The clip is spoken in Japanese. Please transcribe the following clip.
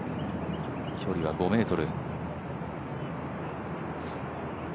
距離は５ｍ。